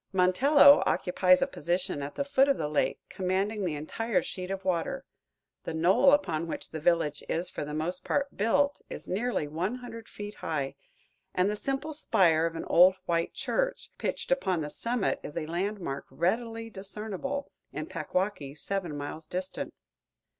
Montello occupies a position at the foot of the lake, commanding the entire sheet of water. The knoll upon which the village is for the most part built is nearly one hundred feet high, and the simple spire of an old white church pitched upon the summit is a landmark readily discernible in Packwaukee, seven miles distant.